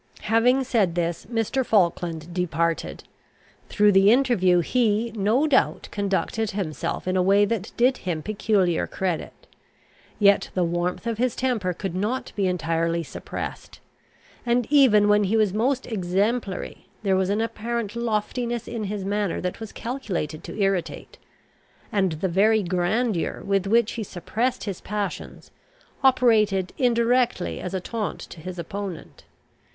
Having said this, Mr. Falkland departed. Through the interview he, no doubt, conducted himself in a way that did him peculiar credit. Yet the warmth of his temper could not be entirely suppressed: and even when he was most exemplary, there was an apparent loftiness in his manner that was calculated to irritate; and the very grandeur with which he suppressed his passions, operated indirectly as a taunt to his opponent.